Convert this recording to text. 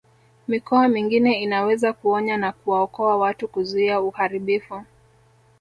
Mikoa mingine inaweza kuonya na kuwaokoa watu kuzuia uharibifu